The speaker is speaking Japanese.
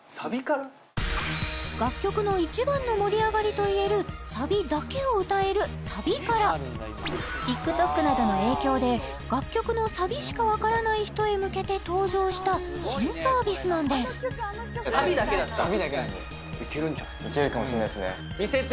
楽曲の一番の盛り上がりと言えるサビだけを歌えるサビカラＴｉｋＴｏｋなどの影響で楽曲のサビしかわからない人へ向けて登場した新サービスなんですサビだけなんでいけるかもしれないですね